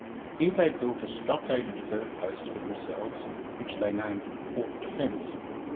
Here they built a stockaded fur post for themselves, which they named Fort Defence.